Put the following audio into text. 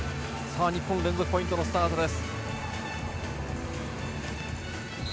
日本、連続ポイントのスタートです。